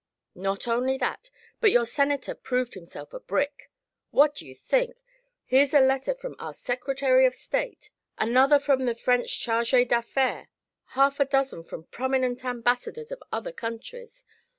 Not only that, but your senator proved himself a brick. What do you think? Here's a letter from our secretary of state another from the French charge d'affairs half a dozen from prominent ambassadors of other countries!